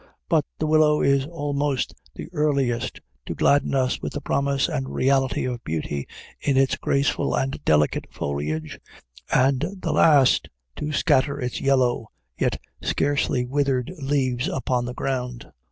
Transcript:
But the willow is almost the earliest to gladden us with the promise and reality of beauty in its graceful and delicate foliage, and the last to scatter its yellow, yet scarcely withered, leaves upon the ground.